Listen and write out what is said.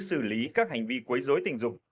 xử lý các hành vi quấy dối tình dục